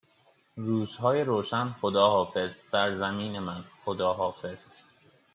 روزهای روشن خداحافظ سرزمین من خداحافظ